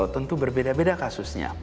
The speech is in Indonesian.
tentu berbeda beda kasusnya